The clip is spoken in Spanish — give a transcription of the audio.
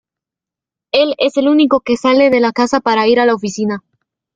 Él es el único que sale de la casa para ir a la oficina.